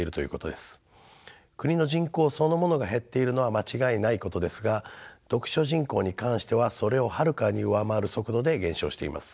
国の人口そのものが減っているのは間違いないことですが読書人口に関してはそれをはるかに上回る速度で減少しています。